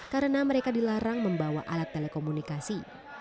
karena mereka dilarang membawa alat telekomunikasi